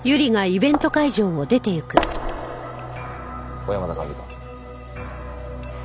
小山田管理官。